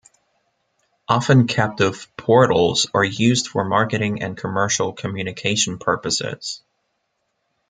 Often captive portals are used for marketing and commercial communication purposes.